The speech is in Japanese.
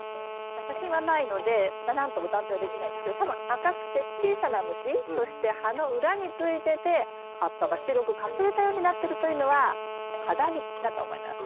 写真はないので何とも断定はできないですけど多分赤くて小さな虫そして葉の裏についてて葉っぱが白くかすれたようになってるというのはハダニだと思います。